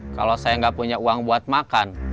kalau saya nggak punya uang buat makan